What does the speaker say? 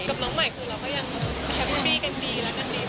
กับน้องใหม่คือเราก็ยังแฮปปี้กันดีรักกันดี